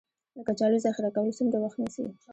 د کچالو ذخیره کول څومره وخت نیسي؟